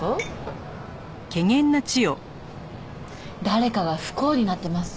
誰かが不幸になってます。